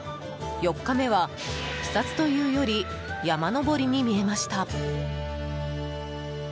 ４日目は視察というより山登りに見えました。